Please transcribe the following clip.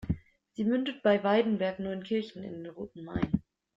Sie mündet bei Weidenberg-Neunkirchen in den Roten Main.